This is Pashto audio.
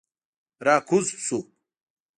را کوز شوو.